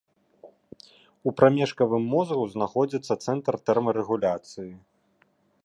У прамежкавым мозгу знаходзіцца цэнтр тэрмарэгуляцыі.